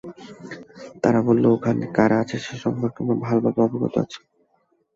তারা বলল, ওখানে কারা আছে সে সম্পর্কে আমরা ভালভাবে অবগত আছি।